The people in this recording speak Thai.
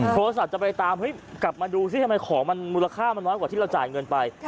โทรศัพท์จะไปตามเฮ้ยกลับมาดูซิทำไมของมันมูลค่ามันน้อยกว่าที่เราจ่ายเงินไป